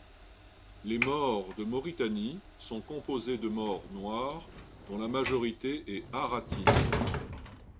Les Maures de Mauritanie sont composés de Maures noirs dont la majorité est haratine.